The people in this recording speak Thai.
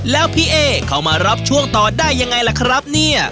แล้วพี่เอ๊เข้ามารับช่วงต่อได้ยังไงล่ะครับเนี่ย